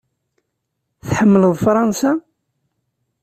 Tḥemmleḍ Fṛansa?